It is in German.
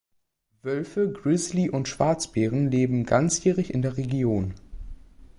Wölfe, Grizzly- und Schwarzbären leben ganzjährig in der Region.